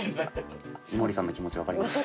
井森さんの気持ち分かります。